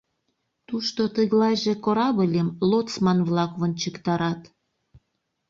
Тушто тыглайже корабльым лоцман-влак вончыктарат.